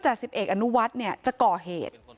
สิบเอกอนุวัฒน์จะก่อเหตุ